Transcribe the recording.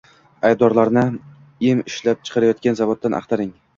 Aybdorlarni em ishlab chiqarayotgan zavoddan axtaring